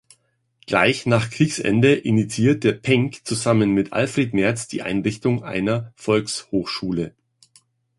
Gleich nach Kriegsende initiierte Penck zusammen mit Alfred Merz die Einrichtung einer Volkshochschule.